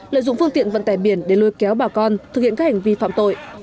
lợi dụng phương tiện vận tải biển để lôi kéo bà con thực hiện các hành vi phạm tội